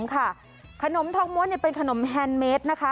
ขนมทองมวลเป็นขนมแฮนเมส